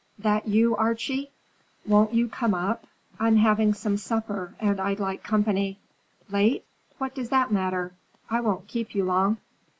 "That you, Archie? Won't you come up? I'm having some supper and I'd like company. Late? What does that matter? I won't keep you long."